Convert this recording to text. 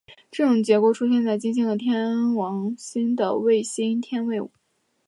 这种结构出现在金星和天王星的卫星天卫五。